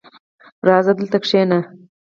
• راځه، دلته کښېنه.